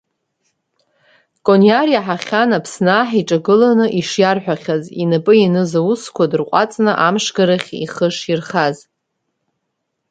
Кониар иаҳахьан Аԥсны аҳ иҿагыланы ишиарҳәахьаз, инапы ианыз аусқәа дырҟәаҵны, амшгарахь ихы ширхаз.